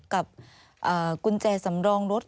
กับกุญแจสำรองรถ